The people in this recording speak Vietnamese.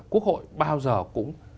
quốc hội bao giờ cũng